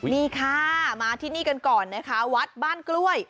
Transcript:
นี่ค่ะมาที่นี่กันก่อนนะคะวัดบ้านกล้วย